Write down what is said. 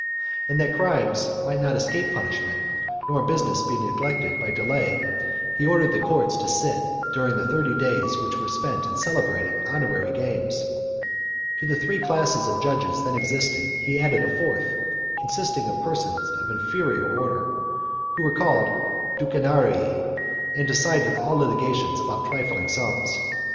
And that crimes might not escape punishment, nor business be neglected by delay, he ordered the courts to sit during the thirty days which were spent in celebrating honorary games. To the three classes of judges then existing, he added a fourth, consisting of persons of inferior order, who were called Ducenarii, and decided all litigations about trifling sums.